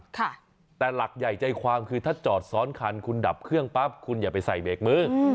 แต่หลักใหญ่ใจความคือถ้าจอดซ้อนคันคุณดับเครื่องปั๊บคุณอย่าไปใส่เบรกมือ